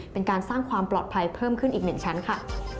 เป็นการสร้างความปลอดภัยเพิ่มขึ้นอีก๑ชั้นค่ะ